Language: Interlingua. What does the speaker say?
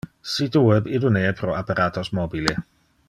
sito web idonee pro apparatos mobile